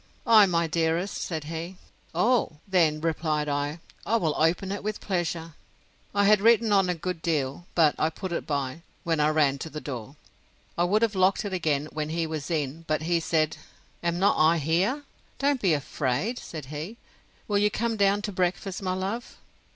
I, my dearest, said he. Oh! then, replied I, I will open it with pleasure. I had written on a good deal; but I put it by, when I ran to the door. I would have locked it again, when he was in; but he said, Am not I here? Don't be afraid. Said he, Will you come down to breakfast, my love?